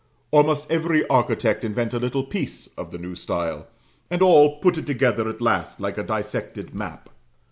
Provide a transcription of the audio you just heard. Or, must every architect invent a little piece of the new style, and all put it together at last like a dissected map?